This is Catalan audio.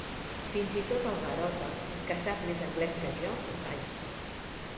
Fins i tot el Garota, que sap més anglès que jo, calla.